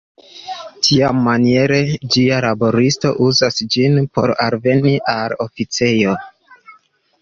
Tiamaniere ĝiaj laboristoj uzas ĝin por alveni al la oficejoj.